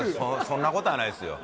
そんなことはないですよ